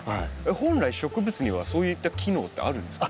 本来植物にはそういった機能ってあるんですか？